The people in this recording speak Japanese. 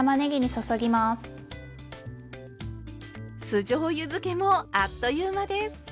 酢じょうゆづけもあっという間です。